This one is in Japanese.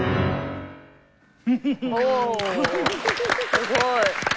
すごい。